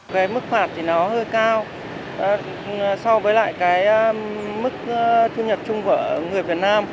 về mức phạt thì nó hơi cao so với lại cái mức thu nhập trung vỡ người việt nam